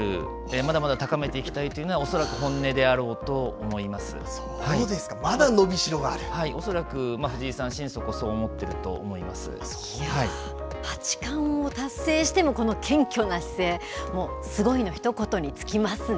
まだまだ高めていきたいというのはおそらく本音であろうそうですかおそらく藤井さん八冠を達成してのこの謙虚な姿勢すごいのひと言に尽きますね。